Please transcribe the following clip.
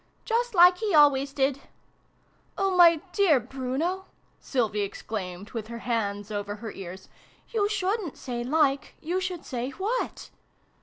" Just like he always did." " Oh, my dear Bruno !" Sylvie exclaimed, with her hands over her ears. "You shouldn't say ' like ': you should say ' what!